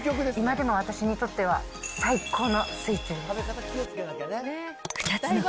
今でも私にとっては、最高のスイーツです。